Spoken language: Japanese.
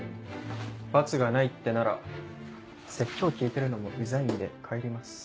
罰がないってなら説教聞いてるのもウザいんで帰ります。